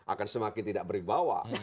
akan semakin tidak beribawa